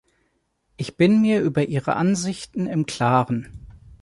Ich bin mir über ihre Ansichten im klaren.